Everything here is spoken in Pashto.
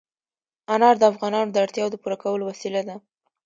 انار د افغانانو د اړتیاوو د پوره کولو وسیله ده.